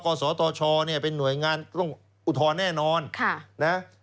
ศตชเนี่ยเป็นหน่วยงานต้องอุทธรณ์แน่นอนค่ะนะ